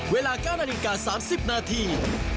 เวลา๙นาฬิกา๓๐นาที